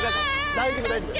大丈夫大丈夫。